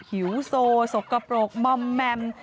หิวโซสกปรกม่อมแมม